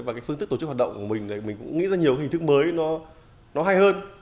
và phương thức tổ chức hoạt động của mình mình cũng nghĩ ra nhiều hình thức mới nó hay hơn